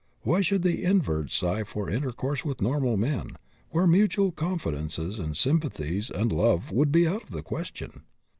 Why should the invert sigh for intercourse with normal men, where mutual confidences and sympathies and love would be out of the question?